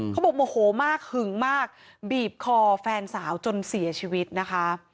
โมโหมากหึงมากบีบคอแฟนสาวจนเสียชีวิตนะคะ